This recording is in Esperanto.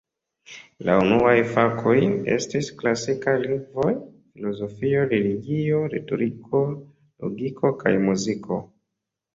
La unuaj fakoj estis klasikaj lingvoj, filozofio, religio, retoriko, logiko kaj muziko.